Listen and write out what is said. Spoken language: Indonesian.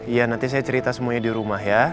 iya nanti saya cerita semuanya di rumah ya